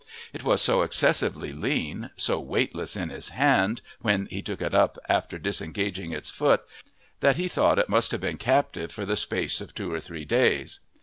It was so excessively lean, so weightless in his hand, when he took it up after disengaging its foot, that he thought it must have been captive for the space of two or three days.